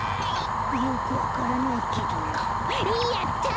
よくわからないけどやった！